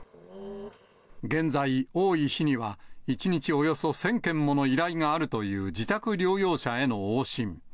現在、多い日には１日およそ１０００件もの依頼があるという自宅療養者への往診。